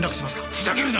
ふざけるな！！